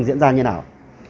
diễn ra như nào